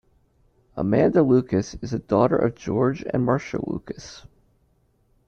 Amanda Lucas is the daughter of George and Marcia Lucas.